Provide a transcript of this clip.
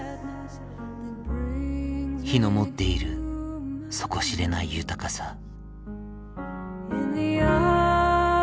火の持っている底知れない豊かさ。